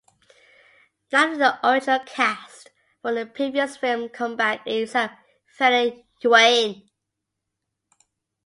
None of the original cast from the previous film come back except Fennie Yuen.